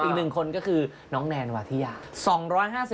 อีกหนึ่งคนก็คือน้องแนนวาธิยา